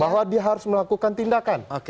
bahwa dia harus melakukan tindakan